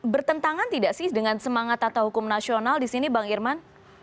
bertentangan tidak sih dengan semangat atau hukum nasional di sini bang irman